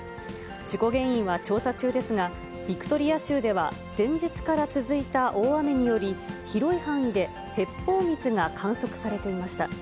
事故原因は調査中ですが、ビクトリア州では、前日から続いた大雨により、広い範囲で鉄砲水が観測されていました。